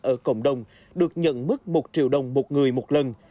ở cộng đồng được nhận mức một triệu đồng một người một lần